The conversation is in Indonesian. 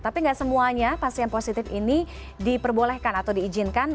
tapi tidak semuanya pasien positif ini diperbolehkan atau diizinkan